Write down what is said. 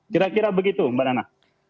kira kira begitu mbak nana